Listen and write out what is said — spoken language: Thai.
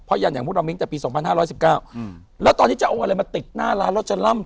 เพราะยันอย่างพวกเรามิ้งแต่ปีสองพันห้าร้อยสิบเก้าอืมแล้วตอนนี้จะเอาอะไรมาติดหน้าร้านแล้วจะล่ำ